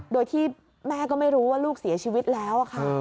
โดยที่แม่ก็ไม่รู้ว่าลูกเสียชีวิตแล้วค่ะ